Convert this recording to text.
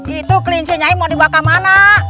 itu kelincinya mau dibakar mana